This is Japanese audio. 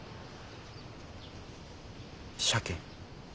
鮭。